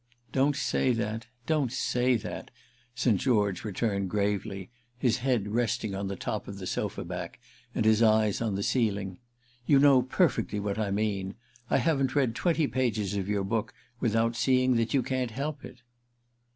"Don't say that—don't say that," St. George returned gravely, his head resting on the top of the sofa back and his eyes on the ceiling. "You know perfectly what I mean. I haven't read twenty pages of your book without seeing that you can't help it."